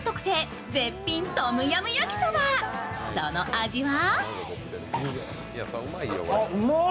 その味は？